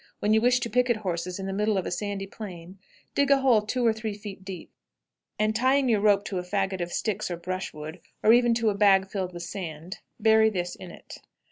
When you wish to picket horses in the middle of a sandy plain, dig a hole two or three feet deep, and, tying your rope to a fagot of sticks or brushwood, or even to a bag filled with sand, bury this in it."